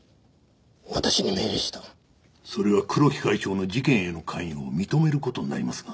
それは黒木会長の事件への関与を認める事になりますが。